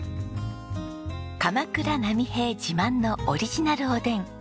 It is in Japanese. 鎌倉波平自慢のオリジナルおでん。